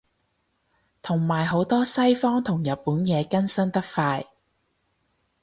同埋好多西方同日本嘢更新得快